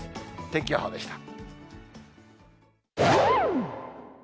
天気予報でした。